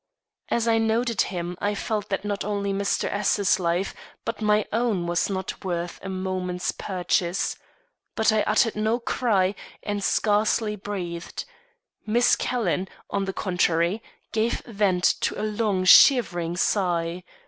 As I noted him I felt that not only Mr. S 's life but my own was not worth a moment's purchase. But I uttered no cry and scarcely breathed. Miss Calhoun, on the contrary, gave vent to a long, shivering sigh.